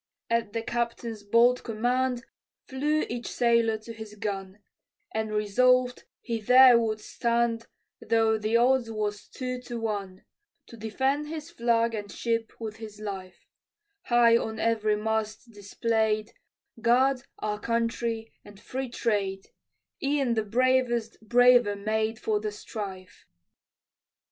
At the captain's bold command, Flew each sailor to his gun, And resolved he there would stand, Though the odds was two to one, To defend his flag and ship with his life: High on every mast display'd, "God, Our Country, and Free Trade," E'en the bravest braver made For the strife.